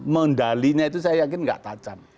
mendalinya itu saya yakin tidak tajam